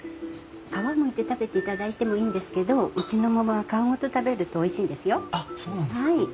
皮むいて食べていただいてもいいんですけどうちの桃は皮ごと食べるとおいしいんですよ。